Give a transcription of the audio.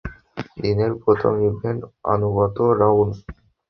দিনের প্রথম ইভেন্টঃ আনুগত্য রাউন্ড।